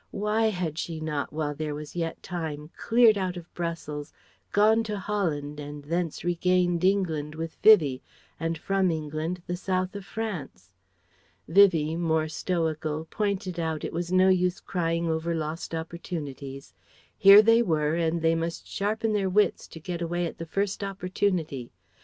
Why had she not, while there was yet time, cleared out of Brussels, gone to Holland, and thence regained England with Vivie, and from England the south of France? Vivie, more stoical, pointed out it was no use crying over lost opportunities. Here they were, and they must sharpen their wits to get away at the first opportunity.